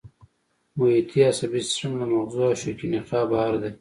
محیطي عصبي سیستم له مغزو او شوکي نخاع بهر دی